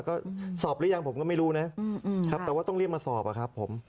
ก็สอบหรือยังผมก็ไม่รู้นะครับแต่ว่าต้องเรียกมาสอบอะครับผม